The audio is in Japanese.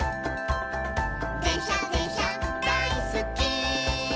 「でんしゃでんしゃだいすっき」